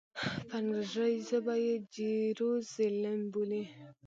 په انګریزي ژبه یې جیروزلېم بولي.